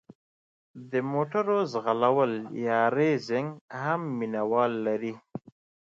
د موټرو ځغلول یا ریسینګ هم مینه وال لري.